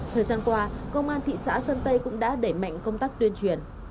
thời gian qua công an thị xã sơn tây cũng đã đẩy mạnh công tác tuyên truyền